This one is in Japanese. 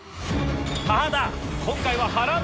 ただ今回は。